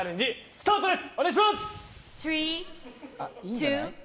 スタートです！